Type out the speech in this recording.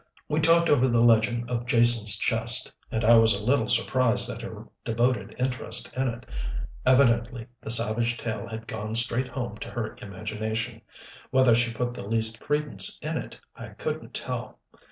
We talked over the legend of Jason's chest; and I was a little surprised at her devoted interest in it. Evidently the savage tale had gone straight home to her imagination. Whether she put the least credence in it I couldn't tell.